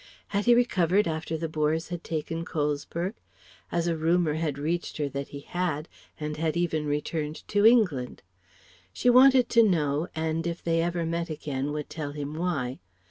Had he recovered after the Boers had taken Colesberg? As a rumour had reached her that he had, and had even returned to England. She wanted to know, and if they ever met again would tell him why.